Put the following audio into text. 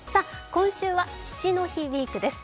今週は父の日ウィークです。